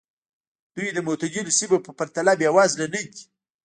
دوی د معتدلو سیمو په پرتله بېوزله نه دي.